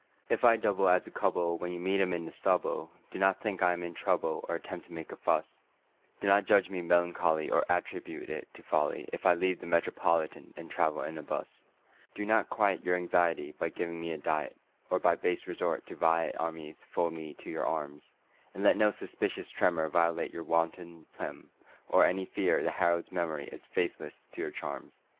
If I double as a cub'll when you meet him in the stubble, Do not think I am in trouble or at tempt to make a fuss ; Do not judge me melancholy or at tribute it to folly If I leave the Metropolitan and travel 'n a bus Do not quiet your anxiety by giving me a diet, Or by base resort to vi et armis fold me to your arms, And let no suspicious tremor violate your wonted phlegm or Any fear that Harold's memory is faithless to your charms.